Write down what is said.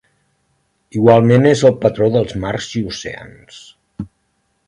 Igualment és el patró dels mars i oceans.